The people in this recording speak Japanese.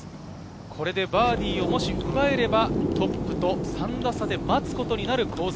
これでバーディーをもしとらえれば、トップと３打差で待つことになる香妻